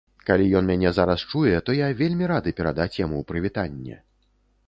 Калі ён мяне зараз чуе, то я вельмі рады перадаць яму прывітанне.